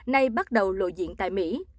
này bắt đầu lộ diện tại mỹ